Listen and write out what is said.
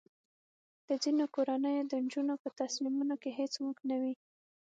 د ځینو کورنیو د نجونو په تصمیمونو کې هیڅ واک نه وي.